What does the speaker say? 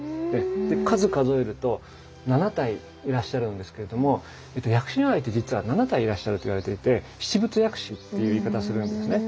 数数えると７体いらっしゃるんですけれども薬師如来って実は７体いらっしゃるといわれていて七仏薬師という言い方をするんですね。